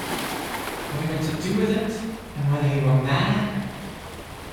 What he meant to do with it, and whether he were mad?